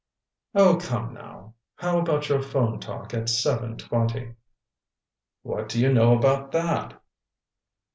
"Oh, come now. How about your phone talk at seven twenty?" "What do you know about that?"